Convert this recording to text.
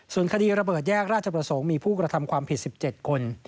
ส่วนคดีระเบิดแยกราชประสงค์มีผู้กระทำความผิด๑๗คน